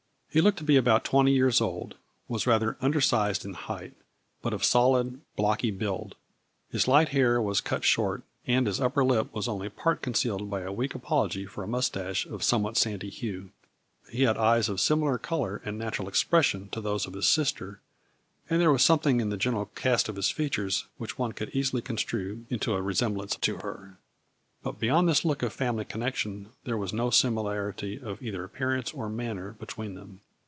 He looked to be about twenty years old, was rather undersized in height, but of solid, blocky build. His light hair was cut short, and his upper lip was only part concealed by a weak apology for a mustache of somewhat sandy hue. He had eyes of similar color and natural ex pression to those of his sister, and there was something in the general cast of his features which one could easily construe into a resem 84 A FL URR T IN DIAMONDS. blance to her. But, beyond this look of family connection, there was no similarity of either ap pearance or manner between them.